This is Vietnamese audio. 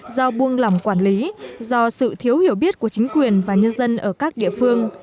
do buông lỏng quản lý do sự thiếu hiểu biết của chính quyền và nhân dân ở các địa phương